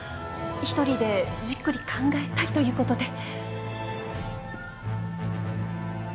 一人でじっくり考えたいということで。